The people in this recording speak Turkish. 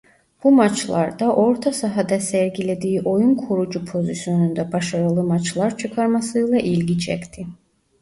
Bu maçlarda orta sahada sergilediği oyun kurucu pozisyonunda başarılı maçlar çıkarmasıyla ilgi çekti.